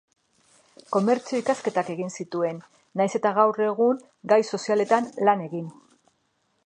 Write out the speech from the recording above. Komertzio ikasketak egin zituen nahiz eta gaur egun gai sozialetan lane gin.